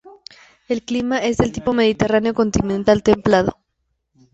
El clima es del tipo mediterráneo continental templado.